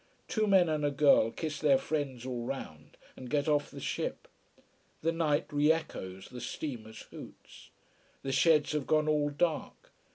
Two men and a girl kiss their friends all round and get off the ship. The night re echoes the steamer's hoots. The sheds have gone all dark.